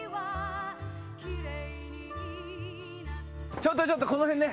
ちょっとちょっとこの辺ね。